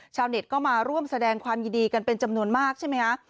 ชาวเน็ตก็มาร่วมแสดงความยินดีกันเป็นจำนวนมากใช่ไหมคะ